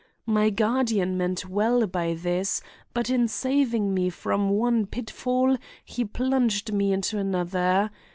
My guardian meant well by this, but in saving me from one pitfall he plunged me into another.